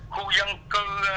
khu dân cư